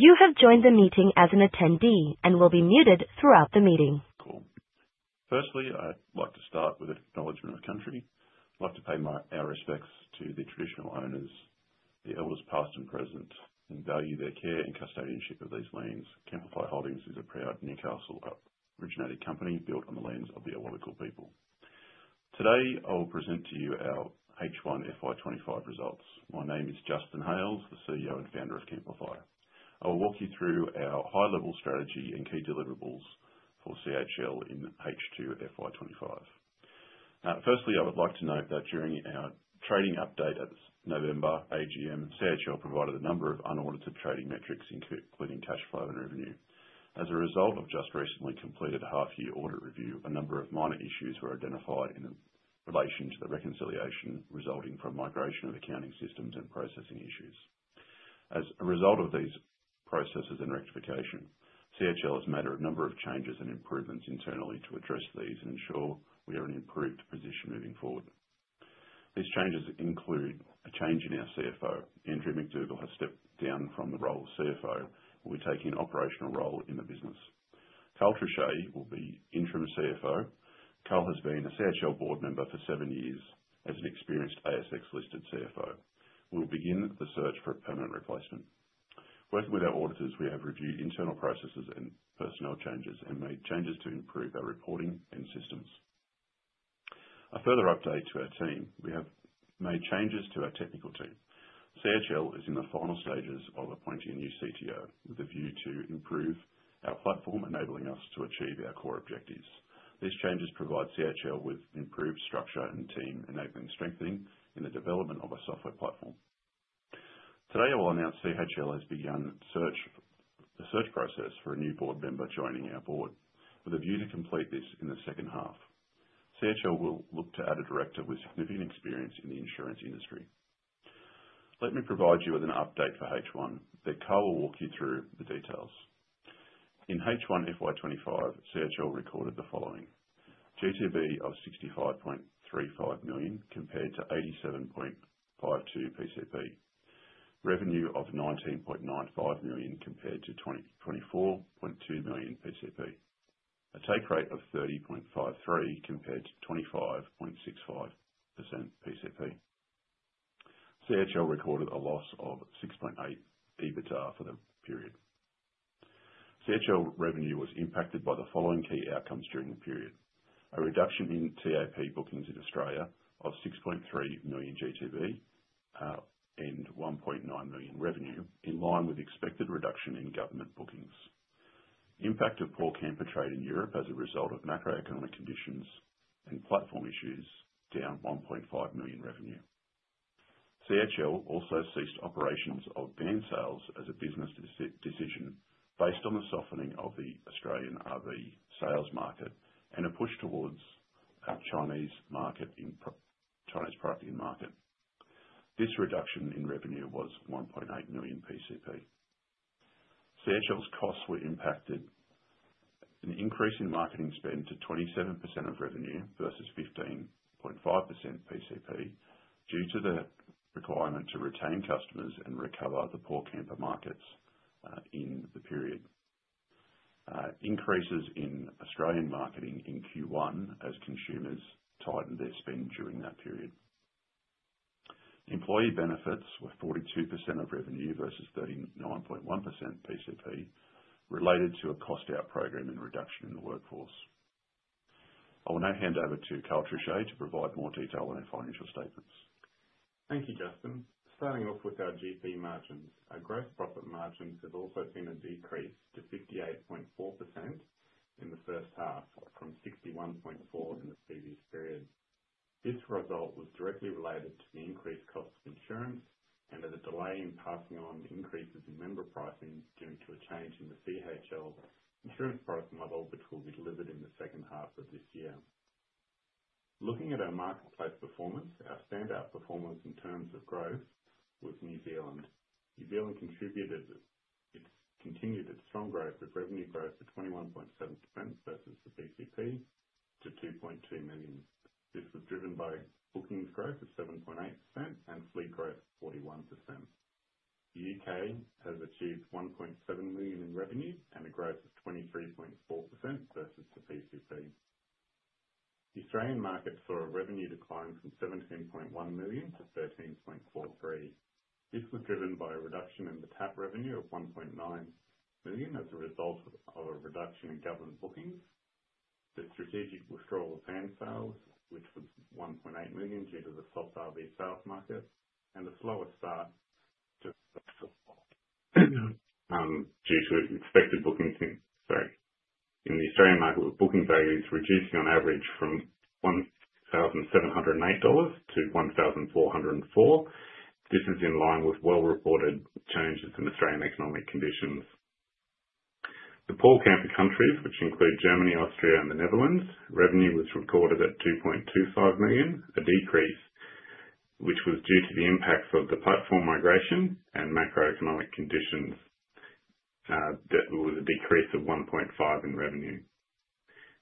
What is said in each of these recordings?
You have joined the meeting as an attendee and will be muted throughout the meeting. Firstly, I'd like to start with an acknowledgment of country. I'd like to pay our respects to the traditional owners, the elders past and present, and value their care and custodianship of these lands. Camplify Holdings is a proud Newcastle-originated company built on the lands of the Awabakal people. Today, I will present to you our H1 FY2025 results. My name is Justin Hales, the CEO and Founder of Camplify. I will walk you through our high-level strategy and key deliverables for CHL in H2 FY2025. Firstly, I would like to note that during our trading update at November, AGM and CHL provided a number of unaudited trading metrics, including cash flow and revenue. As a result of just recently completed a half-year audit review, a number of minor issues were identified in relation to the reconciliation resulting from migration of accounting systems and processing issues. As a result of these processes and rectification, CHL has made a number of changes and improvements internally to address these and ensure we are in an improved position moving forward. These changes include a change in our CFO. Andrea MacDougall has stepped down from the role of CFO and will be taking an operational role in the business. Karl Trouchet will be Interim CFO. Karl has been a CHL board member for seven years as an experienced ASX-listed CFO. We will begin the search for a permanent replacement. Working with our auditors, we have reviewed internal processes and personnel changes and made changes to improve our reporting and systems. A further update to our team, we have made changes to our technical team. CHL is in the final stages of appointing a new CTO with a view to improve our platform, enabling us to achieve our core objectives. These changes provide CHL with improved structure and team enabling strengthening in the development of a software platform. Today, I will announce CHL has begun the search process for a new board member joining our board with a view to complete this in the second half. CHL will look to add a director with significant experience in the insurance industry. Let me provide you with an update for H1. Then Karl will walk you through the details. In H1 FY2025, CHL recorded the following: GTV of 65.35 million compared to 87.52 million PCP, revenue of 19.95 million compared to 24.2 million PCP, a take rate of 30.53% compared to 25.65% PCP. CHL recorded a loss of 6.8 million EBITDA for the period. CHL revenue was impacted by the following key outcomes during the period: a reduction in TAP bookings in Australia of 6.3 million GTV and 1.9 million revenue, in line with expected reduction in government bookings. Impact of PaulCamper trade in Europe as a result of macroeconomic conditions and platform issues down 1.5 million revenue. CHL also ceased operations of van sales as a business decision based on the softening of the Australian RV sales market and a push towards a Chinese product in market. This reduction in revenue was 1.8 million PCP. CHL's costs were impacted: an increase in marketing spend to 27% of revenue versus 15.5% PCP due to the requirement to retain customers and recover the PaulCamper markets in the period. Increases in Australian marketing in Q1 as consumers tightened their spend during that period. Employee benefits were 42% of revenue versus 39.1% PCP related to a cost-out program and reduction in the workforce. I will now hand over to Karl Trouchet to provide more detail on their financial statements. Thank you, Justin. Starting off with our GP margins, our gross profit margins have also seen a decrease to 58.4% in the first half from 61.4% in the previous period. This result was directly related to the increased cost of insurance and to the delay in passing on increases in member pricing due to a change in the CHL insurance product model, which will be delivered in the second half of this year. Looking at our marketplace performance, our standout performance in terms of growth was New Zealand. New Zealand continued its strong growth with revenue growth of 21.7% versus the PCP to 2.2 million. This was driven by bookings growth of 7.8% and fleet growth of 41%. The U.K. has achieved 1.7 million in revenue and a growth of 23.4% versus the PCP. The Australian market saw a revenue decline from 17.1 million to 13.43. This was driven by a reduction in the TAP revenue of 1.9 million as a result of a reduction in government bookings, the strategic withdrawal of van sales, which was 1.8 million due to the soft RV sales market, and the slower start due to expected bookings. In the Australian market, booking values reduced on average from 1,708 dollars to 1,404. This is in line with well-reported changes in Australian economic conditions. The PaulCamper countries, which include Germany, Austria, and the Netherlands, revenue was recorded at 2.25 million, a decrease which was due to the impacts of the platform migration and macroeconomic conditions. There was a decrease of 1.5 in revenue.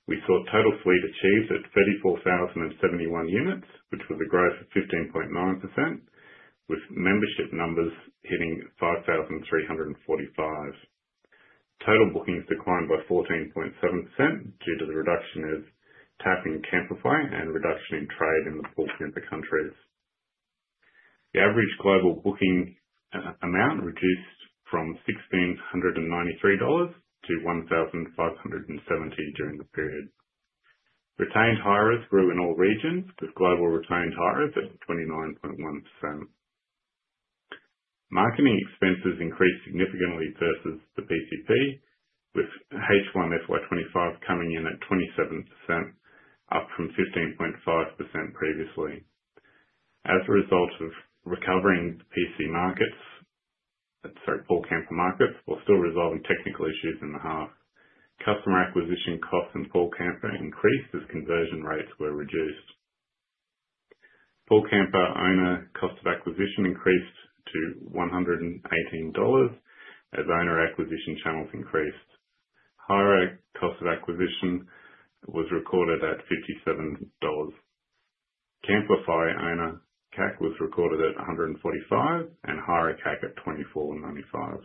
We saw total fleet achieved at 34,071 units, which was a growth of 15.9%, with membership numbers hitting 5,345. Total bookings declined by 14.7% due to the reduction in TAP in Camplify and reduction in trade in the PaulCamper countries. The average global booking amount reduced from $1,693 to $1,570 during the period. Retained hires grew in all regions, with global retained hires at 29.1%. Marketing expenses increased significantly versus the PCP, with H1 FY2025 coming in at 27%, up from 15.5% previously. As a result of recovering PaulCamper markets, we're still resolving technical issues in the half. Customer acquisition costs in PaulCamper increased as conversion rates were reduced. PaulCamper owner cost of acquisition increased to $118 as owner acquisition channels increased. Hire cost of acquisition was recorded at $57. Camplify owner CAC was recorded at $145 and hire CAC at $24.95.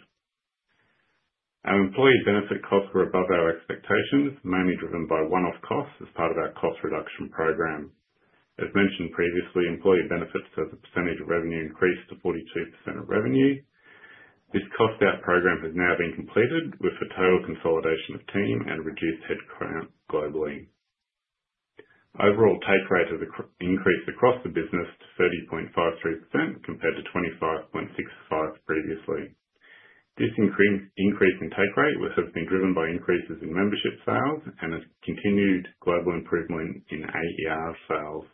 Our employee benefit costs were above our expectations, mainly driven by one-off costs as part of our cost reduction program. As mentioned previously, employee benefits as a percentage of revenue increased to 42% of revenue. This cost-out program has now been completed with a total consolidation of team and reduced headcount globally. Overall, take rate has increased across the business to 30.53% compared to 25.65% previously. This increase in take rate has been driven by increases in membership sales and a continued global improvement in AER sales.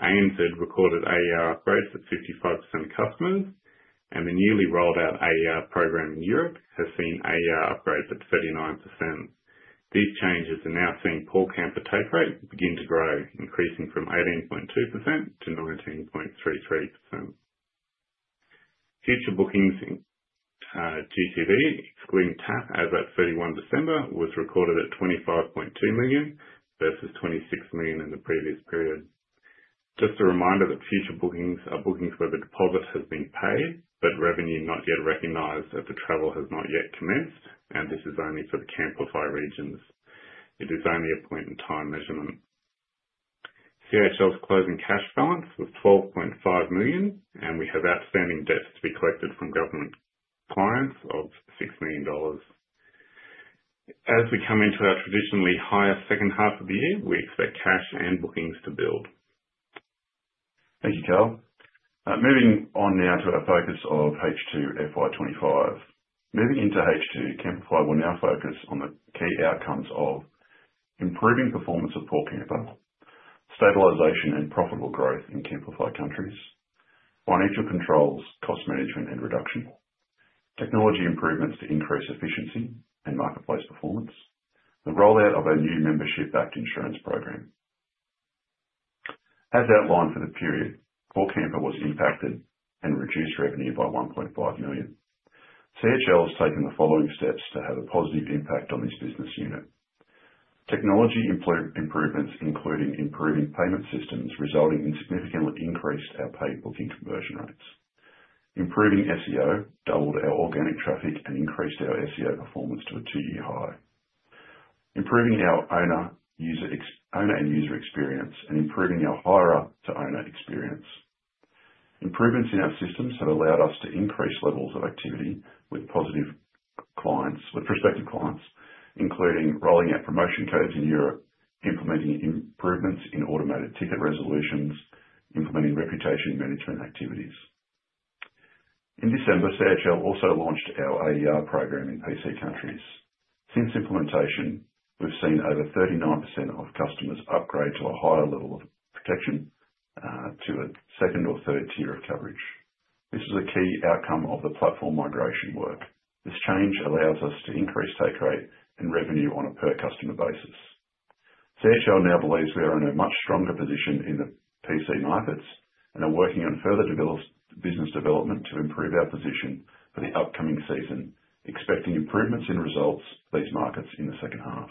ANZ recorded AER upgrades at 55% of customers, and the newly rolled-out AER program in Europe has seen AER upgrades at 39%. These changes are now seeing PaulCamper take rate begin to grow, increasing from 18.2% to 19.33%. Future bookings GTV, excluding TAP, as of 31 December, was recorded at 25.2 million versus 26 million in the previous period. Just a reminder that future bookings are bookings where the deposit has been paid but revenue not yet recognized as the travel has not yet commenced, and this is only for the Camplify regions. It is only a point-in-time measurement. CHL's closing cash balance was 12.5 million, and we have outstanding debts to be collected from government clients of 6 million dollars. As we come into our traditionally higher second half of the year, we expect cash and bookings to build. Thank you, Karl. Moving on now to our focus of H2 FY2025. Moving into H2, Camplify will now focus on the key outcomes of improving performance of PaulCamper, stabilization and profitable growth in Camplify countries, financial controls, cost management and reduction, technology improvements to increase efficiency and marketplace performance, the rollout of a new membership-backed insurance program. As outlined for the period, PaulCamper was impacted and reduced revenue by 1.5 million. CHL has taken the following steps to have a positive impact on this business unit. Technology improvements, including improving payment systems, resulted in significantly increased our paid booking conversion rates. Improving SEO doubled our organic traffic and increased our SEO performance to a two-year high. Improving our owner and user experience and improving our hire-to-owner experience. Improvements in our systems have allowed us to increase levels of activity with prospective clients, including rolling out promotion codes in Europe, implementing improvements in automated ticket resolutions, and implementing reputation management activities. In December, CHL also launched our AER program in PaulCamper countries. Since implementation, we've seen over 39% of customers upgrade to a higher level of protection to a second or third tier of coverage. This was a key outcome of the platform migration work. This change allows us to increase take rate and revenue on a per-customer basis. CHL now believes we are in a much stronger position in the PC markets and are working on further business development to improve our position for the upcoming season, expecting improvements in results for these markets in the second half.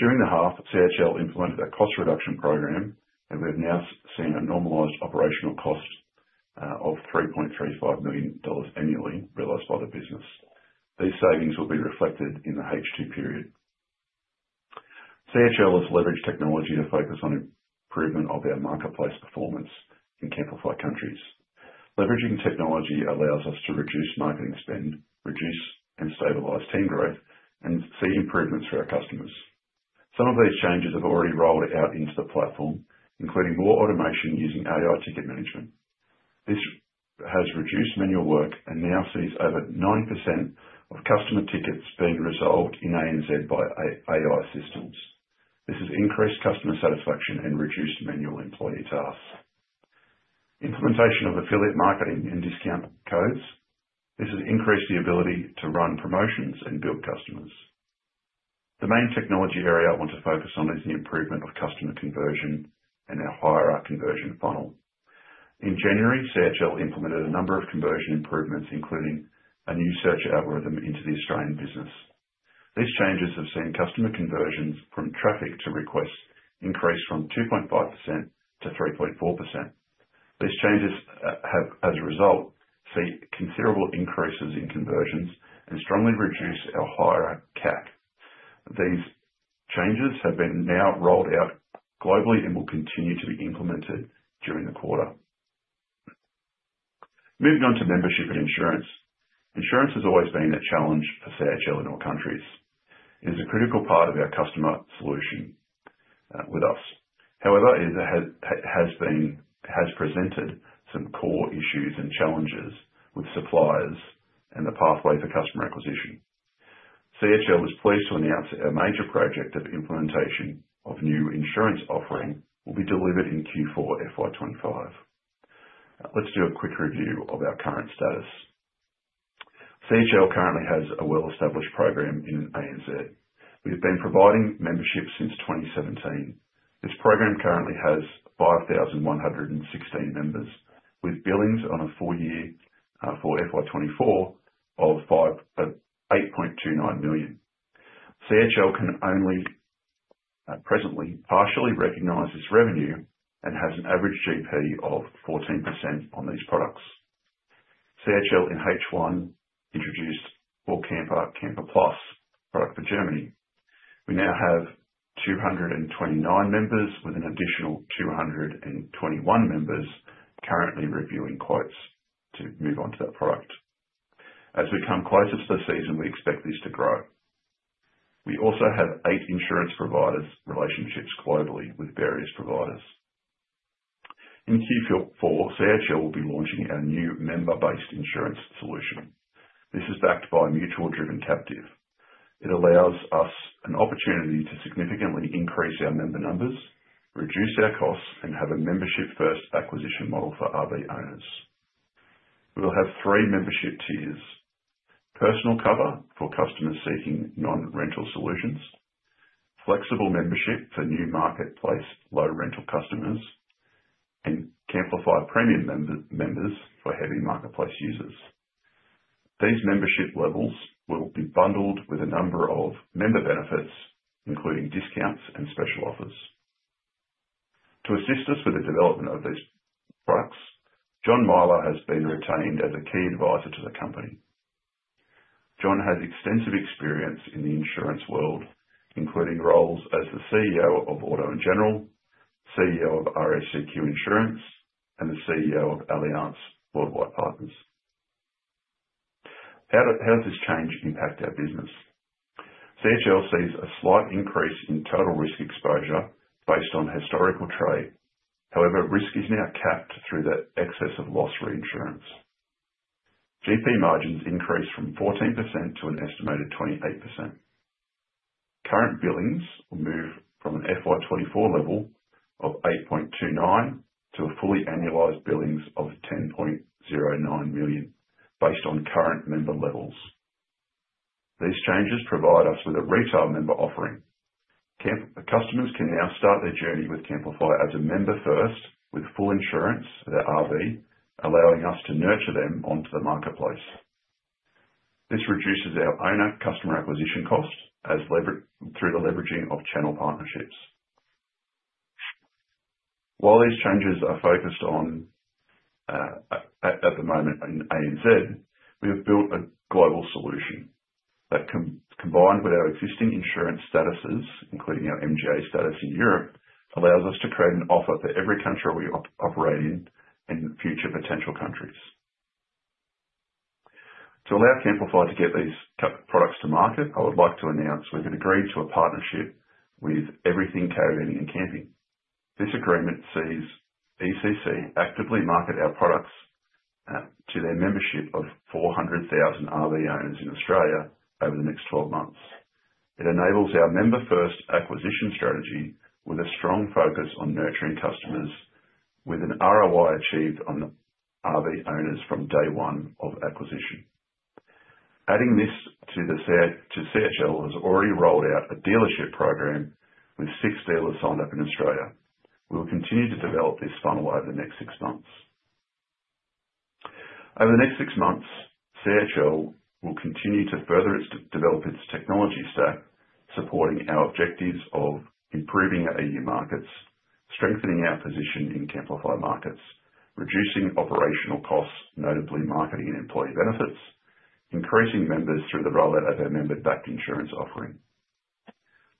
During the half, CHL implemented a cost reduction program, and we have now seen a normalized operational cost of 3.35 million dollars annually realized by the business. These savings will be reflected in the H2 period. CHL has leveraged technology to focus on improvement of our marketplace performance in Camplify countries. Leveraging technology allows us to reduce marketing spend, reduce and stabilize team growth, and see improvements for our customers. Some of these changes have already rolled out into the platform, including more automation using AI ticket management. This has reduced manual work and now sees over 9% of customer tickets being resolved in ANZ by AI systems. This has increased customer satisfaction and reduced manual employee tasks. Implementation of affiliate marketing and discount codes. This has increased the ability to run promotions and build customers. The main technology area I want to focus on is the improvement of customer conversion and our hire-out conversion funnel. In January, CHL implemented a number of conversion improvements, including a new search algorithm into the Australian business. These changes have seen customer conversions from traffic to requests increase from 2.5% to 3.4%. These changes, as a result, see considerable increases in conversions and strongly reduce our hire-out CAC. These changes have been now rolled out globally and will continue to be implemented during the quarter. Moving on to membership and insurance. Insurance has always been a challenge for CHL in all countries. It is a critical part of our customer solution with us. However, it has presented some core issues and challenges with suppliers and the pathway for customer acquisition. CHL is pleased to announce a major project of implementation of new insurance offering will be delivered in Q4 FY2025. Let's do a quick review of our current status. CHL currently has a well-established program in ANZ. We have been providing membership since 2017. This program currently has 5,116 members, with billings on a full year for FY24 of 8.29 million. CHL can only presently partially recognize this revenue and has an average GP of 14% on these products. CHL in H1 introduced PaulCamper Camper Plus product for Germany. We now have 229 members with an additional 221 members currently reviewing quotes to move on to that product. As we come closer to the season, we expect this to grow. We also have eight insurance providers' relationships globally with various providers. In Q4, CHL will be launching our new member-based insurance solution. This is backed by mutual-driven captive. It allows us an opportunity to significantly increase our member numbers, reduce our costs, and have a membership-first acquisition model for RV owners. We will have three membership tiers: Personal Cover for customers seeking non-rental solutions, Flexible Membership for new marketplace low-rental customers, and Camplify Premium members for heavy marketplace users. These membership levels will be bundled with a number of member benefits, including discounts and special offers. To assist us with the development of these products, John Myler has been retained as a key advisor to the company. John has extensive experience in the insurance world, including roles as the CEO of Auto & General, CEO of RACQ Insurance, and the CEO of Allianz Worldwide Partners. How does this change impact our business? CHL sees a slight increase in total risk exposure based on historical trade. However, risk is now capped through the excess of loss reinsurance. GP margins increased from 14% to an estimated 28%. Current billings will move from an FY2024 level of 8.29 million to a fully annualized billings of 10.09 million based on current member levels. These changes provide us with a retail member offering. Customers can now start their journey with Camplify as a member first with full insurance of their RV, allowing us to nurture them onto the marketplace. This reduces our owner customer acquisition costs through the leveraging of channel partnerships. While these changes are focused on at the moment in ANZ, we have built a global solution that, combined with our existing insurance statuses, including our MGA status in Europe, allows us to create an offer for every country we operate in and future potential countries. To allow Camplify to get these products to market, I would like to announce we've agreed to a partnership with Everything Caravan & Camping. This agreement sees ECC actively market our products to their membership of 400,000 RV owners in Australia over the next 12 months. It enables our member-first acquisition strategy with a strong focus on nurturing customers, with an ROI achieved on RV owners from day one of acquisition. Adding this to CHL has already rolled out a dealership program with six dealers signed up in Australia. We will continue to develop this funnel over the next six months. Over the next six months, CHL will continue to further develop its technology stack, supporting our objectives of improving our EU markets, strengthening our position in Camplify markets, reducing operational costs, notably marketing and employee benefits, increasing members through the rollout of our member-backed insurance offering.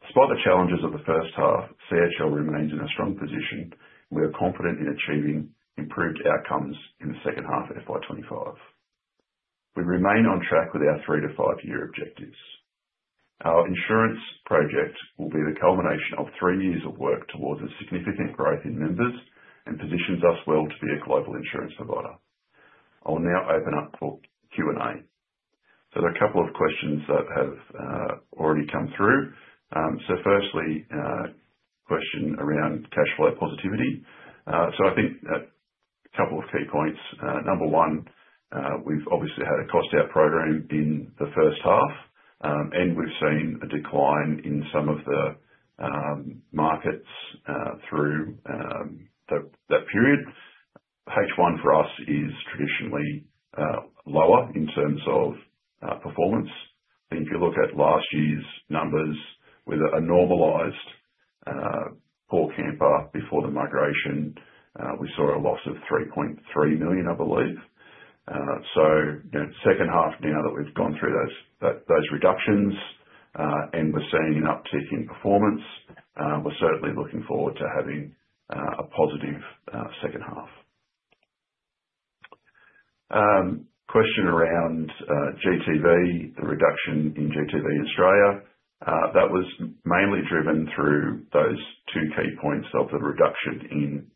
Despite the challenges of the first half, CHL remains in a strong position. We are confident in achieving improved outcomes in the second half of FY2025. We remain on track with our three- to five-year objectives. Our insurance project will be the culmination of three years of work towards a significant growth in members and positions us well to be a global insurance provider. I will now open up for Q&A. There are a couple of questions that have already come through. So firstly, a question around cash flow positivity. So I think a couple of key points. Number one, we've obviously had a cost-out program in the first half, and we've seen a decline in some of the markets through that period. H1 for us is traditionally lower in terms of performance. I think if you look at last year's numbers with a normalized PaulCamper before the migration, we saw a loss of 3.3 million, I believe. So second half now that we've gone through those reductions and we're seeing an uptick in performance, we're certainly looking forward to having a positive second half. Question around GTV, the reduction in GTV in Australia. That was mainly driven through those two key points of the reduction in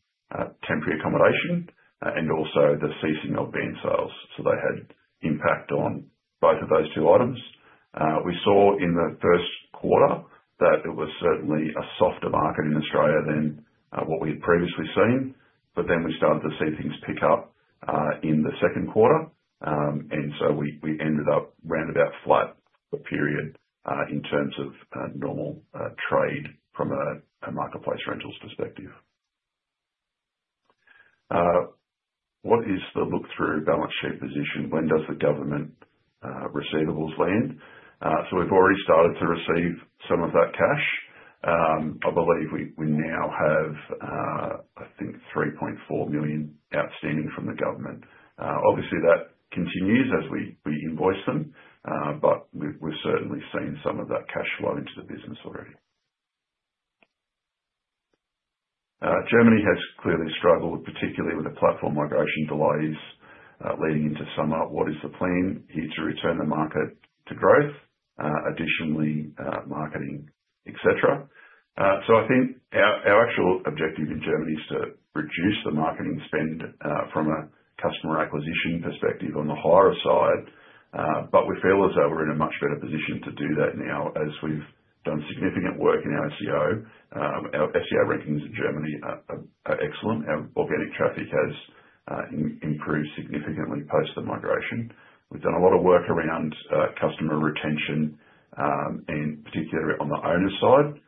temporary accommodation and also the ceasing of van sales. So that had impact on both of those two items. We saw in the first quarter that it was certainly a softer market in Australia than what we had previously seen, but then we started to see things pick up in the second quarter, and so we ended up round about flat for a period in terms of normal trade from a marketplace rentals perspective. What is the look-through balance sheet position? When does the government receivables land? So we've already started to receive some of that cash. I believe we now have, I think, 3.4 million outstanding from the government. Obviously, that continues as we invoice them, but we've certainly seen some of that cash flow into the business already. Germany has clearly struggled, particularly with the platform migration delays leading into summer. What is the plan here to return the market to growth? Additionally, marketing, etc. So I think our actual objective in Germany is to reduce the marketing spend from a customer acquisition perspective on the hire side, but we feel as though we're in a much better position to do that now as we've done significant work in our SEO. Our SEO rankings in Germany are excellent. Our organic traffic has improved significantly post the migration. We've done a lot of work around customer retention, particularly on the owner side,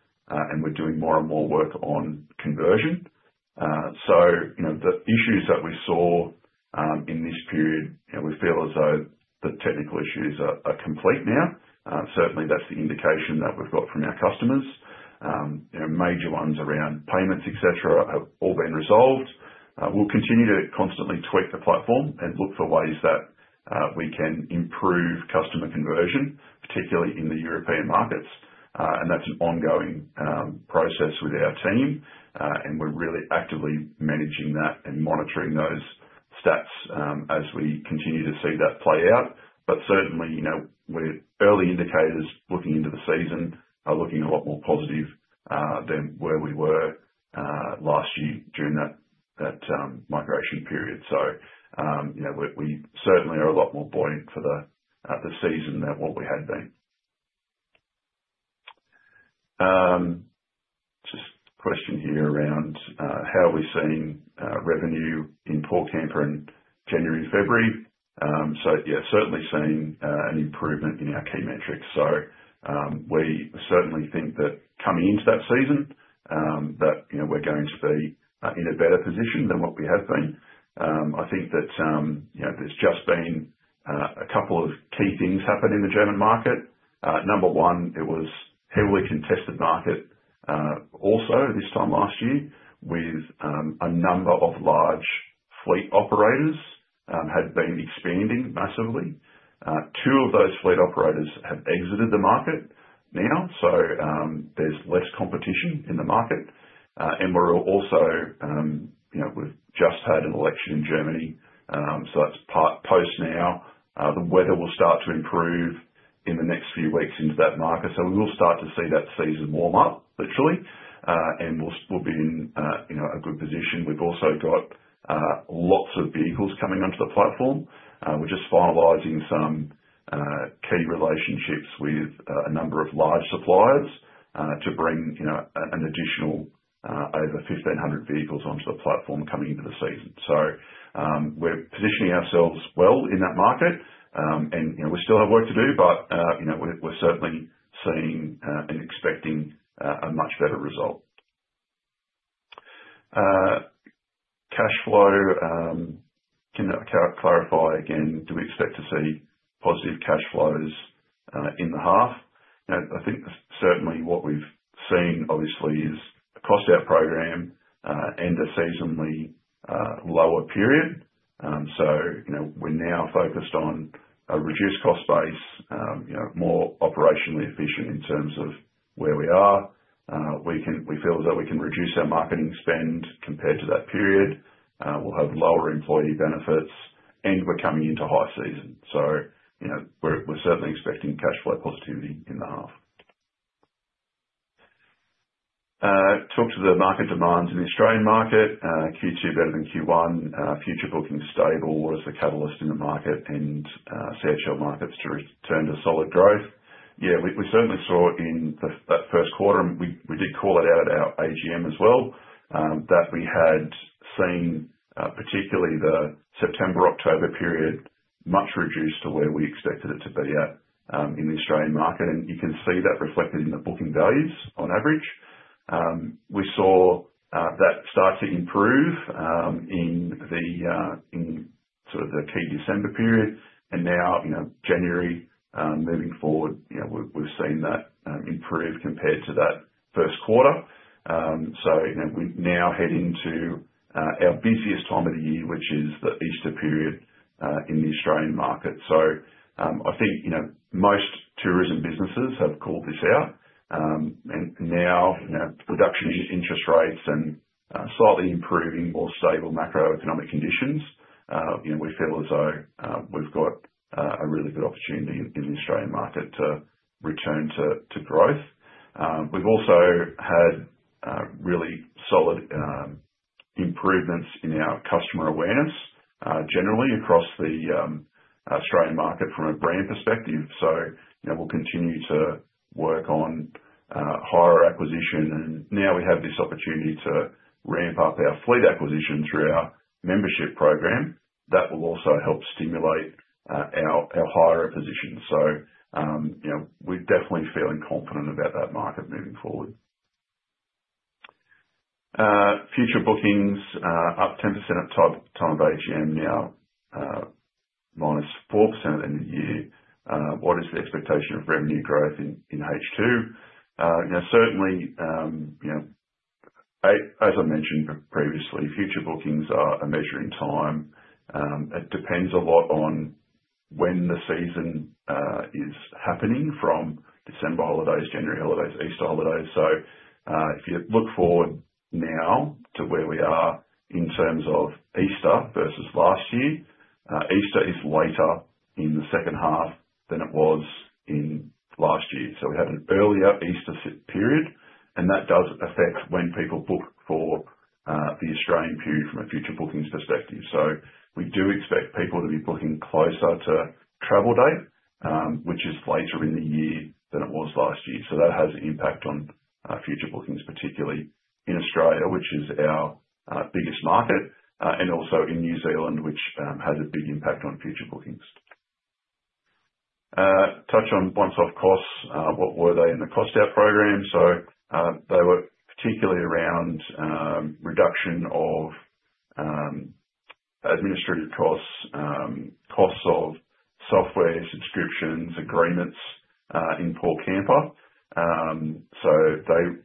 and we're doing more and more work on conversion. So the issues that we saw in this period, we feel as though the technical issues are complete now. Certainly, that's the indication that we've got from our customers. Major ones around payments, etc., have all been resolved. We'll continue to constantly tweak the platform and look for ways that we can improve customer conversion, particularly in the European markets. And that's an ongoing process with our team, and we're really actively managing that and monitoring those stats as we continue to see that play out. But certainly, we're early indicators looking into the season are looking a lot more positive than where we were last year during that migration period. So we certainly are a lot more buoyant for the season than what we had been. Just a question here around how are we seeing revenue in PaulCamper in January and February. So yeah, certainly seeing an improvement in our key metrics. So we certainly think that coming into that season, that we're going to be in a better position than what we have been. I think that there's just been a couple of key things happen in the German market. Number one, it was a heavily contested market also this time last year with a number of large fleet operators had been expanding massively. Two of those fleet operators have exited the market now, so there's less competition in the market. And we're also just had an election in Germany, so that's post now. The weather will start to improve in the next few weeks into that market, so we will start to see that season warm up, literally, and we'll be in a good position. We've also got lots of vehicles coming onto the platform. We're just finalizing some key relationships with a number of large suppliers to bring an additional over 1,500 vehicles onto the platform coming into the season. So we're positioning ourselves well in that market, and we still have work to do, but we're certainly seeing and expecting a much better result. Cash flow, can I clarify again? Do we expect to see positive cash flows in the half? I think certainly what we've seen, obviously, is a cost-out program and a seasonally lower period. So we're now focused on a reduced cost base, more operationally efficient in terms of where we are. We feel as though we can reduce our marketing spend compared to that period. We'll have lower employee benefits, and we're coming into high season. So we're certainly expecting cash flow positivity in the half. Talk to the market demands in the Australian market, Q2 better than Q1, future bookings stable, what is the catalyst in the market and CHL markets to return to solid growth? Yeah, we certainly saw in that first quarter, and we did call it out at our AGM as well, that we had seen, particularly the September-October period, much reduced to where we expected it to be at in the Australian market. And you can see that reflected in the booking values on average. We saw that start to improve in sort of the key December period, and now January, moving forward, we've seen that improve compared to that first quarter. So we're now heading to our busiest time of the year, which is the Easter period in the Australian market. So I think most tourism businesses have called this out. And now, reduction in interest rates and slightly improving, more stable macroeconomic conditions, we feel as though we've got a really good opportunity in the Australian market to return to growth. We've also had really solid improvements in our customer awareness generally across the Australian market from a brand perspective, so we'll continue to work on hire acquisition, and now we have this opportunity to ramp up our fleet acquisition through our membership program. That will also help stimulate our hire position, so we're definitely feeling confident about that market moving forward. Future bookings up 10% at time of AGM now, -4% at end of year. What is the expectation of revenue growth in H2? Certainly, as I mentioned previously, future bookings are a measure in time. It depends a lot on when the season is happening from December holidays, January holidays, Easter holidays, so if you look forward now to where we are in terms of Easter versus last year, Easter is later in the second half than it was in last year. We had an earlier Easter period, and that does affect when people book for the Australian period from a future bookings perspective. So we do expect people to be booking closer to travel date, which is later in the year than it was last year. So that has an impact on future bookings, particularly in Australia, which is our biggest market, and also in New Zealand, which has a big impact on future bookings. Touch on once-off costs. What were they in the cost-out program? So they were particularly around reduction of administrative costs, costs of software subscriptions, agreements in PaulCamper. So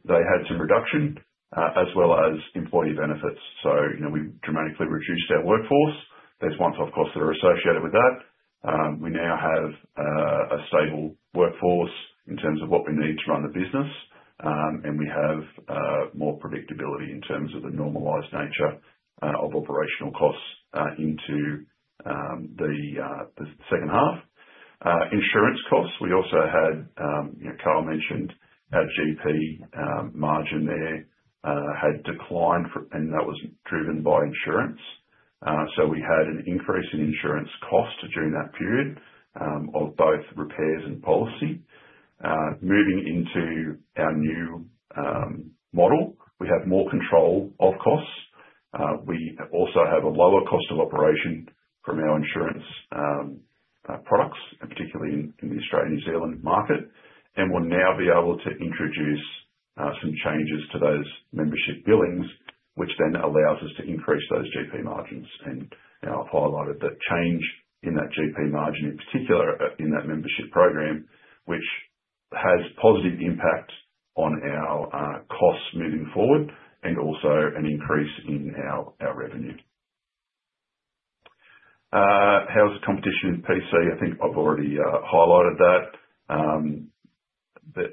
they had some reduction as well as employee benefits. So we dramatically reduced our workforce. There's once-off costs that are associated with that. We now have a stable workforce in terms of what we need to run the business, and we have more predictability in terms of the normalized nature of operational costs into the second half. Insurance costs. We also had, Karl mentioned, our GP margin there had declined, and that was driven by insurance. So we had an increase in insurance cost during that period of both repairs and policy. Moving into our new model, we have more control of costs. We also have a lower cost of operation from our insurance products, particularly in the Australia-New Zealand market, and we'll now be able to introduce some changes to those membership billings, which then allows us to increase those GP margins. And I've highlighted the change in that GP margin, in particular in that membership program, which has positive impact on our costs moving forward and also an increase in our revenue. How is the competition in PC? I think I've already highlighted that.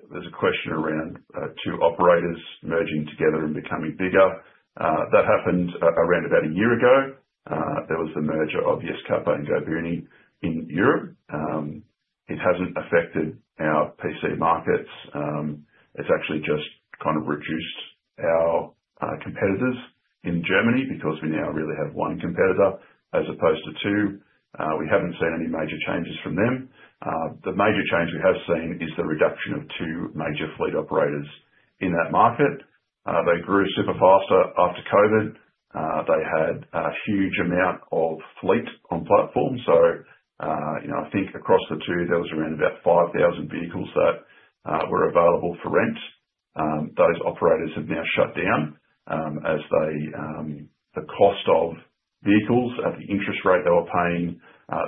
There's a question around two operators merging together and becoming bigger. That happened around about a year ago. There was the merger of Yescapa and Goboony in Europe. It hasn't affected our PC markets. It's actually just kind of reduced our competitors in Germany because we now really have one competitor as opposed to two. We haven't seen any major changes from them. The major change we have seen is the reduction of two major fleet operators in that market. They grew super fast after COVID. They had a huge amount of fleet on platform. So I think across the two, there was around about 5,000 vehicles that were available for rent. Those operators have now shut down as the cost of vehicles at the interest rate they were paying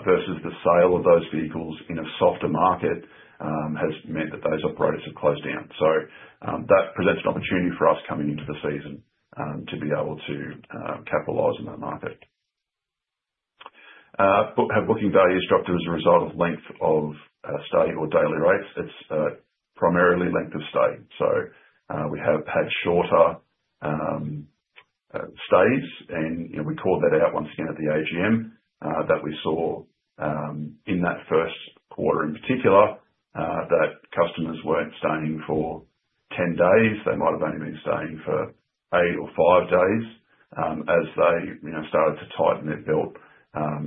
versus the sale of those vehicles in a softer market has meant that those operators have closed down. So that presents an opportunity for us coming into the season to be able to capitalize on that market. Booking values dropped as a result of length of stay or daily rates. It's primarily length of stay. So we have had shorter stays, and we called that out once again at the AGM that we saw in that first quarter in particular, that customers weren't staying for 10 days. They might have only been staying for eight or five days as they started to tighten their belt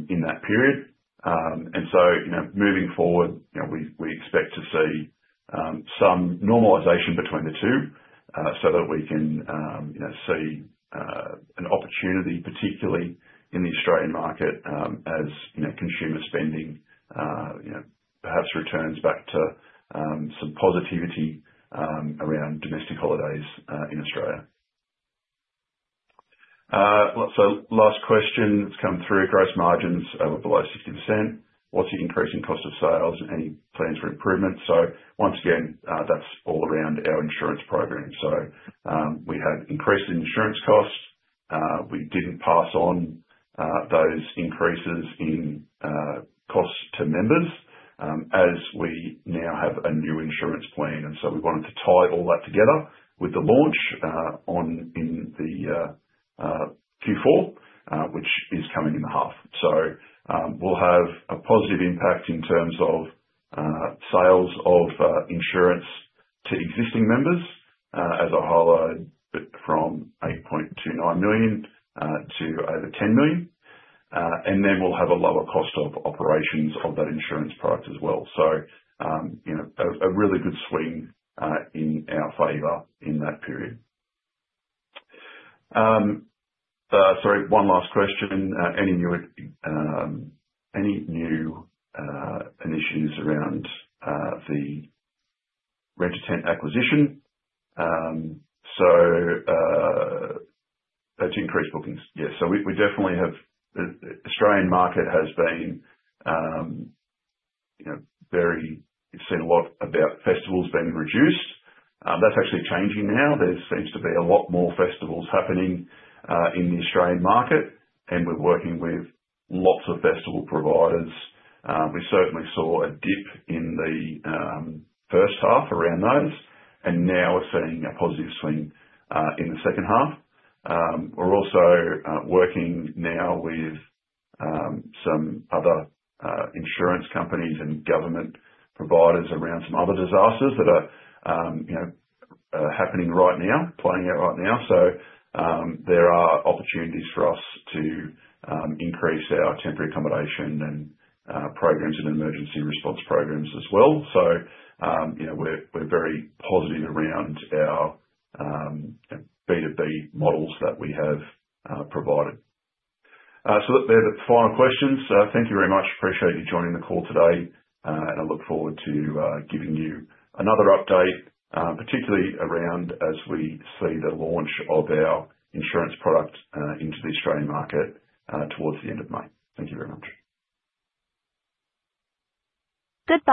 in that period. And so moving forward, we expect to see some normalization between the two so that we can see an opportunity, particularly in the Australian market, as consumer spending perhaps returns back to some positivity around domestic holidays in Australia. So last question that's come through, gross margins were below 60%. What's the increase in cost of sales? Any plans for improvement? So once again, that's all around our insurance program. So we had increased insurance costs. We didn't pass on those increases in costs to members as we now have a new insurance plan. And so we wanted to tie all that together with the launch in the Q4, which is coming in the half. So we'll have a positive impact in terms of sales of insurance to existing members as I highlighted from 8.29 million to over 10 million. Then we'll have a lower cost of operations of that insurance product as well. So a really good swing in our favor in that period. Sorry, one last question. Any new initiatives around the customer acquisition? So that's increased bookings. Yeah. So we definitely have the Australian market has been very, it's seen a lot about festivals being reduced. That's actually changing now. There seems to be a lot more festivals happening in the Australian market, and we're working with lots of festival providers. We certainly saw a dip in the first half around those, and now we're seeing a positive swing in the second half. We're also working now with some other insurance companies and government providers around some other disasters that are happening right now, playing out right now. So there are opportunities for us to increase our Temporary Accommodation Program and emergency response programs as well. So we're very positive around our B2B models that we have provided. So they're the final questions. Thank you very much. Appreciate you joining the call today, and I look forward to giving you another update, particularly around as we see the launch of our insurance product into the Australian market towards the end of May. Thank you very much. Good.